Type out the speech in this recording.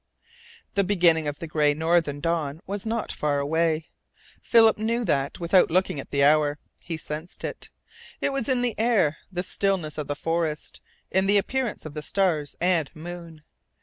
The beginning of the gray northern dawn was not far away. Philip knew that without looking at the hour. He sensed it. It was in the air, the stillness of the forest, in the appearance of the stars and moon.